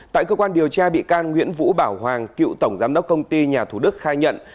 tại cơ quan điều tra bị can nguyễn vũ bảo hoàng cựu tổng giám đốc công ty nhà thủ đức khai nhận